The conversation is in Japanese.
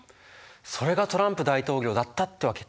それがトランプ大統領だったってわけか。